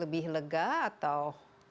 lebih lega atau